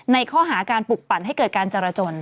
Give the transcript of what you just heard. ในข้อหาการปลุกปั่นให้เกิดการจรจน